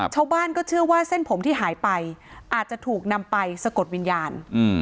ชาวบ้านก็เชื่อว่าเส้นผมที่หายไปอาจจะถูกนำไปสะกดวิญญาณ